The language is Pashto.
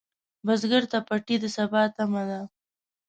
بزګر ته پټی د سبا تمه ده